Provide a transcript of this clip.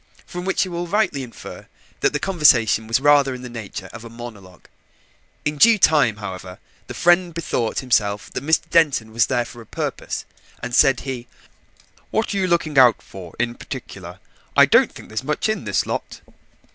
From which you will rightly infer that the conversation was rather in the nature of a monologue. In due time, however, the friend bethought himself that Mr. Denton was there for a purpose, and said he, "What are you looking out for in particular? I don't think there's much in this lot."